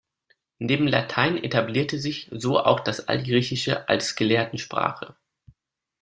Neben Latein etablierte sich so auch das Altgriechische als Gelehrtensprache.